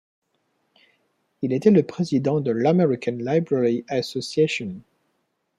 Il a été le président de l’American Library Association.